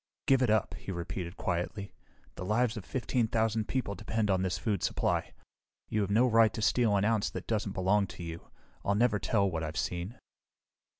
"Give it up," he repeated quietly. "The lives of fifteen thousand people depend on this food supply. You have no right to steal an ounce that doesn't belong to you. I'll never tell what I've seen."